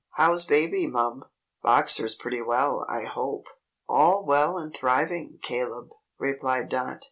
How's baby, mum? Boxer's pretty well, I hope?" "All well and thriving, Caleb," replied Dot.